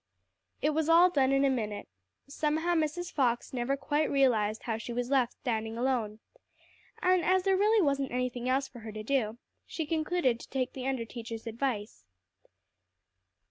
It was all done in a minute. Somehow Mrs. Fox never quite realized how she was left standing alone. And as there really wasn't anything else for her to do, she concluded to take the under teacher's advice.